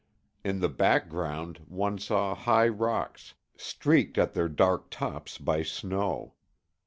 In the background, one saw high rocks, streaked at their dark tops by snow.